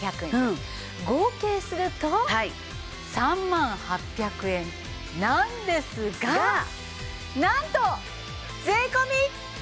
合計すると３万８００円なんですがなんと税込。